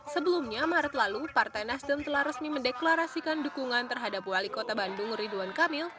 sebelumnya maret lalu partai nasdem telah resmi mendeklarasikan dukungan terhadap wali kota bandung ridwan kamil